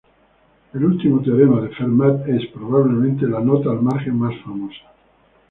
El último teorema de Fermat es, probablemente, la nota al margen más famosa.